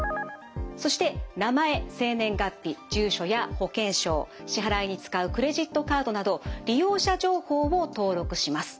そして名前生年月日住所や保険証支払いに使うクレジットカードなど利用者情報を登録します。